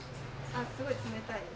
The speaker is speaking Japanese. すごい冷たいです。